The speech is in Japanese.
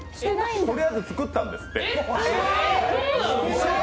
とりあえず作ったんですって。